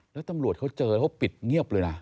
แล้วตำรวจเขาเจอเขาปิดเงียบเลยนะ